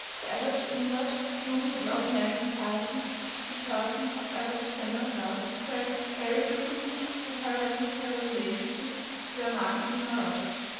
The average invert, moving in ordinary society, is a person of average general health, though very frequently with hereditary relationships that are markedly neurotic.